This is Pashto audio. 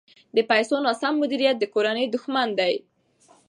د پیسو ناسم مدیریت د کورنۍ دښمن دی.